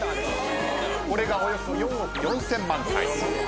これがおよそ４億４，０００万回。